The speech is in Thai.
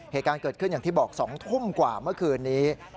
เหตุการณ์เกิดขึ้นอย่างที่บอก๒ทุ่มกว่าเมื่อคืนนี้